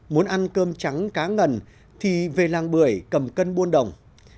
muốn ăn cơm trắng cá ngần thì về làng bưởi cầm cân buôn đồng